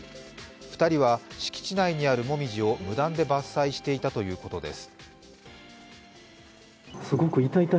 ２人は敷地内にあるもみじを無断で伐採していたということです。